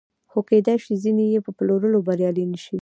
خو کېدای شي ځینې یې په پلورلو بریالي نشي